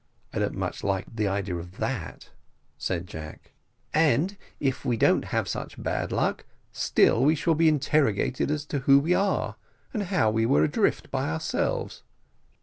"I don't much like the idea of that," said Jack. "And if we don't have such bad luck, still we shall be interrogated as to who we are, and how we were adrift by ourselves."